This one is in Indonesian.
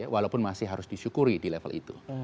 walaupun masih harus disyukuri di level itu